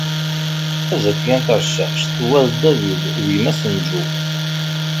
A Zakiya n Tɛeccact, wa d David, d gma-s n Joe.